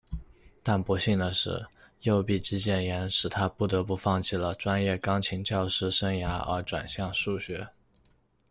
但不幸的是，右臂肌腱炎使他不得不放弃了专业钢琴教师生涯而转向数学。